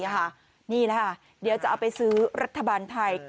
นี่แหละค่ะเดี๋ยวจะเอาไปซื้อรัฐบาลไทย